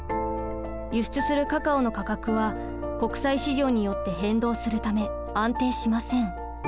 輸出するカカオの価格は国際市場によって変動するため安定しません。